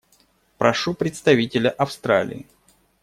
Прошу представителя Австралии.